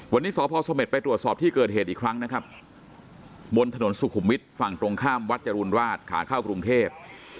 วันนี้สพสเม็ดไปตรวจสอบที่เกิดเหตุอีกครั้งนะครับบนถนนสุขุมวิทย์ฝั่งตรงข้ามวัดจรูนราชขาเข้ากรุงเทพ